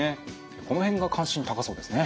この辺が関心高そうですね。